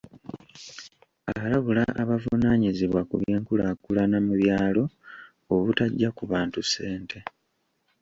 Alabula abavunaanyizibwa ku by'enkulaakulana mu byalo obutajja ku bantu ssente.